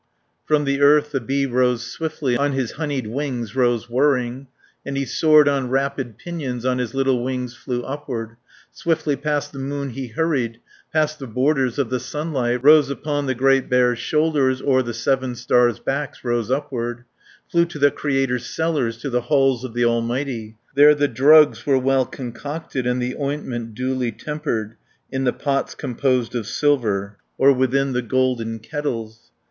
From the earth the bee rose swiftly, On his honeyed wings rose whirring, And he soared on rapid pinions, On his little wings flew upward. 510 Swiftly past the moon he hurried, Past the borders of the sunlight, Rose upon the Great Bear's shoulders, O'er the Seven Stars' backs rose upward, Flew to the Creator's cellars, To the halls of the Almighty. There the drugs were well concocted, And the ointment duly tempered In the pots composed of silver, Or within the golden kettles.